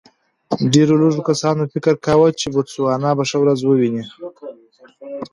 ډېرو لږو کسانو فکر کاوه چې بوتسوانا به ښه ورځ وویني.